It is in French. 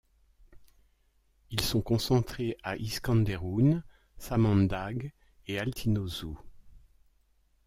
Ils sont concentrés à İskenderun, Samandağ et Altınözü.